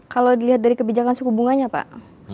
kalau dilihat dari kebijakan suku bunganya pak